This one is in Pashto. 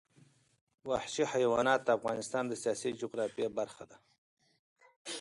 وحشي حیوانات د افغانستان د سیاسي جغرافیه برخه ده.